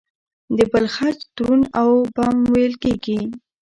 د بل خج دروند او بم وېل کېږي.